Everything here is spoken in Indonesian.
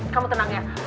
kamu tenang ya